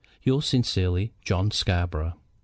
"Yours sincerely, JOHN SCARBOROUGH."